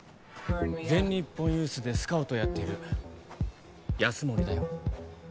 全日本ユースでスカウトをやっているヤスモリだよ。